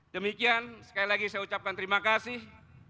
demikian sekali lagi saya ucapkan terima kasih